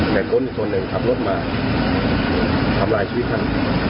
แต่คนส่วนหนึ่งขับรถมาทำร้ายชีวิตท่าน